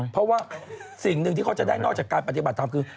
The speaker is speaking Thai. เพราะว่าสิ่งหนึ่งที่เขาจะได้นอกจากการปฏิบัติธรรมคือ